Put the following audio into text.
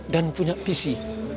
dan punya visi